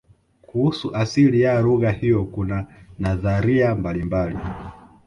kuhusu asili ya lugha hiyo kuna nadharia mbalimbali